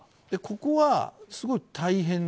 ここは、すごい大変。